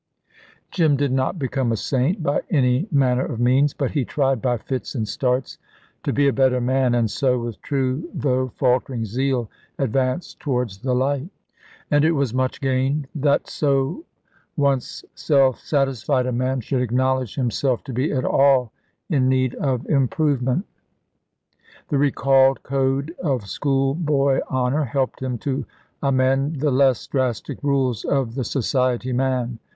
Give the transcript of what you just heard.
Jim did not become a saint by any manner of means, but he tried by fits and starts to be a better man, and so, with true though faltering zeal, advanced towards the light. And it was much gained that so once self satisfied a man should acknowledge himself to be at all in need of improvement. The recalled code of schoolboy honour helped him to amend the less drastic rules of the society man.